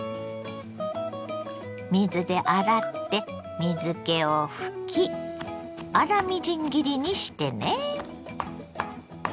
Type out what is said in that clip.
水で洗って水けを拭き粗みじん切りにしてね。